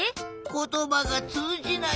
ことばがつうじない。